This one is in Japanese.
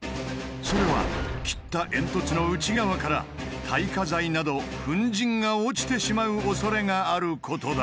それは切った煙突の内側から耐火材など粉じんが落ちてしまうおそれがあることだ。